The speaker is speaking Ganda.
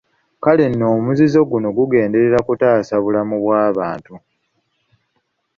Kale nno omuzizo guno gugenderera kutaasa bulamu bw’abantu.